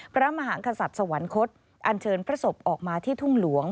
พระมหากษัตริย์สวรรคตอันเชิญพระศพออกมาที่ทุ่งหลวง